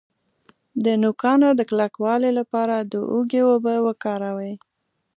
د نوکانو د کلکوالي لپاره د هوږې اوبه وکاروئ